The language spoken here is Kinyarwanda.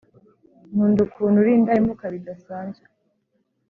nkunda ukuntu uri indahemuka bidasanzwe